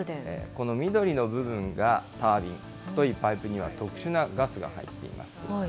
この緑の部分がタービン、太いパイプには特殊なガスが入っています。